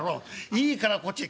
いいからこっちへ」。